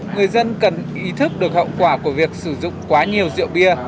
người dân cần ý thức được hậu quả của việc sử dụng quá nhiều rượu bia